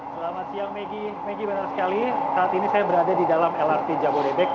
selamat siang maggie maggie benar sekali saat ini saya berada di dalam lrt jabodebek